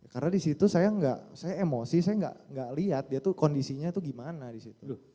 karena disitu saya emosi saya gak lihat kondisinya itu gimana disitu